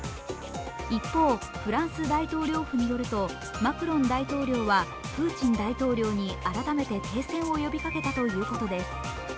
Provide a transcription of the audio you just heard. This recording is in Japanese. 一方、フランス大統領府によると、マクロン大統領はプーチン大統領に改めて停戦を呼びかけたということです。